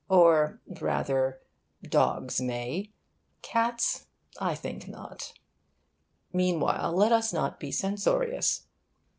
Or rather, dogs may; cats, I think, not. Meanwhile, let us not be censorious.